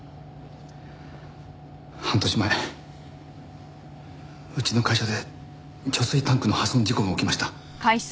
半年前うちの会社で貯水タンクの破損事故が起きました。